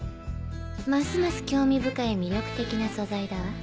ますます興味深い魅力的な素材だわ。